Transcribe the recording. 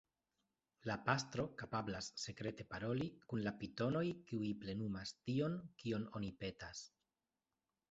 La pastro kapablas sekrete paroli kun la pitonoj kiuj plenumas tion, kion oni petas.